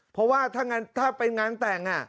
เพราะว่าถ้าเป็นงานแต่ง